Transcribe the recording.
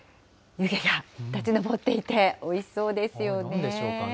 湯気が立ち上っていて、おいしそなんでしょうかね。